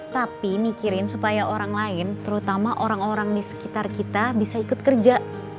tapi mikirin supaya orang lain terutama orang orang di sekitar kita bisa ikut kerja